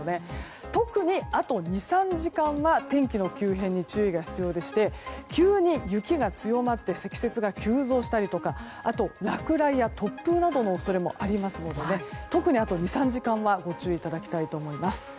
特にあと２３時間は天気の急変に注意が必要でして急に雪が強まって積雪が急増したり、落雷とか突風などの恐れもありますから特にあと２３時間はご注意いただきたいと思います。